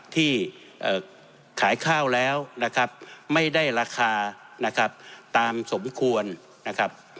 ที่ขายข้าวแล้วนะครับไม่ได้ราคานะครับตามสมควรนะครับ